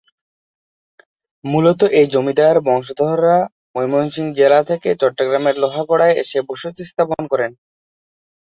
মূলত এই জমিদার বংশধররা ময়মনসিংহ জেলা থেকে চট্টগ্রামের লোহাগাড়ায় এসে বসতি স্থাপন করেন।